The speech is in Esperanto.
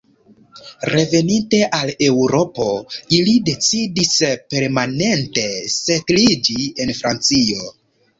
Reveninte al Eŭropo, ili decidis permanente setliĝi en Francio.